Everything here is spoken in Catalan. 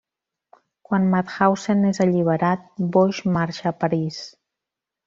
Quan Mauthausen és alliberat, Boix marxa a París.